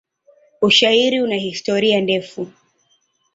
Ushairi una historia ndefu.